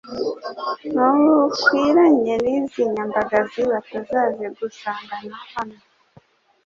Ntukwiranye nizi nyandagazi batazazigusangana hano .